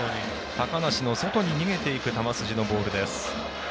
高梨の外に逃げていく球筋のボールです。